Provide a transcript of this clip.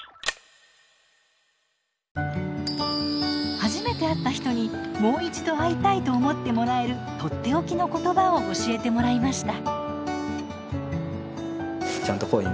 初めて会った人にもう一度会いたいと思ってもらえるとっておきの言葉を教えてもらいました。